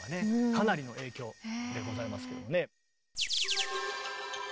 かなりの影響でございますよね。